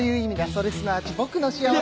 それすなわち僕の幸せ。